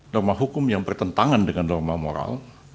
norma hukum yang bertentangan dengan norma moral